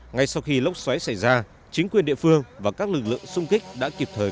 ngay sau khi lốc xoáy xảy ra chính quyền địa phương và các lực lượng xung kích đã kịp thời